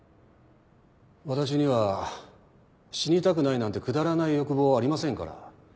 私には「死にたくない」なんてくだらない欲望はありませんから。